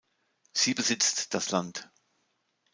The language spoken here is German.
Sie besitzt das Land.